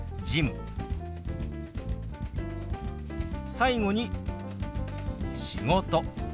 最後に「仕事」。